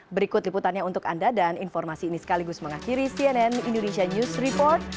berikut liputannya untuk anda dan informasi ini sekaligus mengakhiri cnn indonesia news report